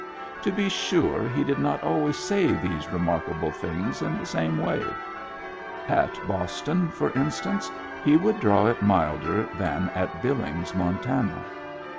To be sure, he did not always say these remarkable things in the same way. At Boston, for instance, he would draw it milder than at Billings, Montana.